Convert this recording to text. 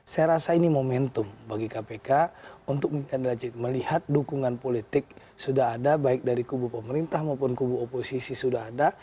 saya rasa ini momentum bagi kpk untuk melihat dukungan politik sudah ada baik dari kubu pemerintah maupun kubu oposisi sudah ada